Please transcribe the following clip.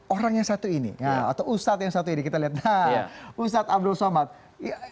orang yang satu ini atau ustadz yang satu ini kita lihat nah ustadz abdul somad